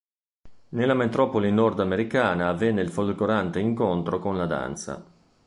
Nella metropoli nord americana avvenne il folgorante incontro con la danza.